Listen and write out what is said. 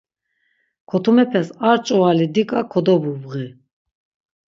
Kotumepes ar ç̌uvali diǩa kodobubği.